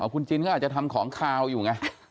คุณจินก็อาจจะทำของขาวอยู่ไง